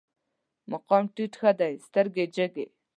مقام ټيټ ښه دی، سترګې جګې